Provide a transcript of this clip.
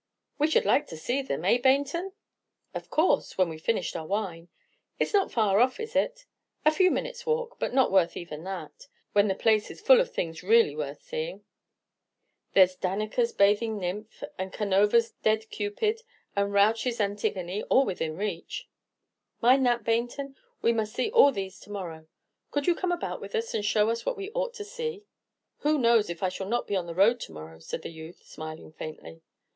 "We should like to see them, eh, Baynton?" "Of course, when we 've finished our wine. It's not far off, is it?" "A few minutes' walk; but not worth even that, when the place is full of things really worth seeing. There's Danneker's 'Bathing Nymph,' and Canova's 'Dead Cupid,' and Rauch's 'Antigone,' all within reach." "Mind that, Baynton; we must see all these to morrow. Could you come about with us, and show us what we ought to see?" "Who knows if I shall not be on the road to morrow?" said the youth, smiling faintly.